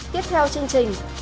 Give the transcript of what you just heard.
tiếp theo chương trình